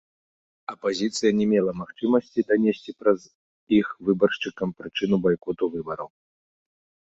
Апазіцыя не мела магчымасці данесці праз іх выбаршчыкам прычыну байкоту выбараў.